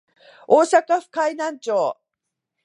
大阪府河南町